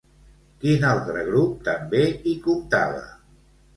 Quin altre grup també hi comptava?